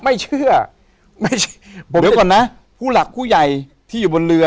ไม่เชื่อไม่ใช่ผมเดี๋ยวก่อนนะผู้หลักผู้ใหญ่ที่อยู่บนเรือ